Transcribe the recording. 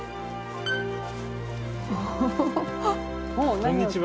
こんにちは。